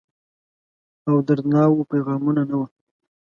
او دردڼاوو پیغامونه، نه وه